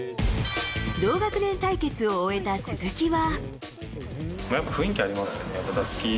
同学年対決を終えた鈴木は。